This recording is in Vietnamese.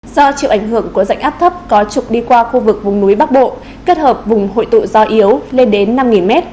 do chịu ảnh hưởng của dạnh áp thấp có trục đi qua khu vực vùng núi bắc bộ kết hợp vùng hội tụ gió yếu lên đến năm m